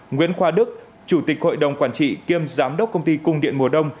nguyễn khoa đức chủ tịch hội đồng quản trị kiêm giám đốc công ty cung điện mùa đông